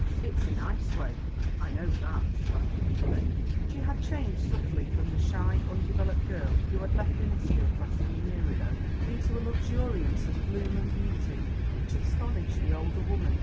"It's a nice way, I know that," laughed Elizabeth. She had changed subtly from the shy, undeveloped girl who had left Innisfield less than a year ago into a luxuriance of bloom and beauty which astonished the older woman.